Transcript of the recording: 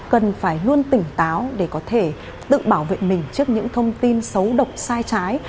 cần phải luôn tỉnh táo để có thể tự bảo vệ mình trước những thông tin xấu độc sai trái